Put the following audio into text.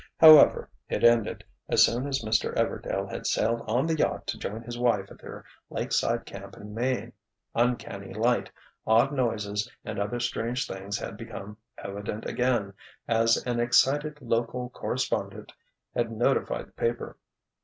However, it ended, as soon as Mr. Everdail had sailed on the yacht to join his wife at their lakeside camp in Maine, uncanny light, odd noises and other strange things had become evident again, as an excited local correspondent had notified the paper.